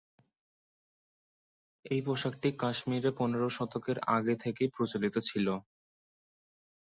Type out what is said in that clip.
এই পোশাকটি কাশ্মীরে পনেরো শতকের আগে থেকেই প্রচলিত ছিল।